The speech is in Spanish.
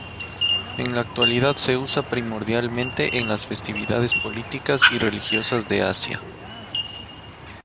En la actualidad se usa primordialmente en las festividades políticas y religiosas de Asia.